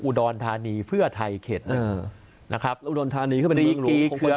อุดรทานีเพื่อไทยเข็ดอืมนะครับอุดรทานีก็เป็นอีกรูปคน